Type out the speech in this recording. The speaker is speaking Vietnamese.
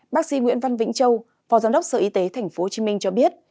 bác sĩ nguyễn văn vĩnh châu phó giám đốc sở y tế tp hcm cho biết